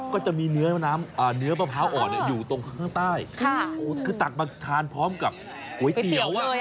ก็จะมีเนื้อประพาวอ่อนอยู่ตรงกลางใต้